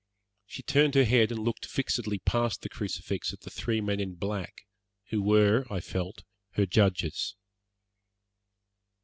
She turned her head and looked fixedly past the crucifix at the three men in black, who were, I felt, her judges.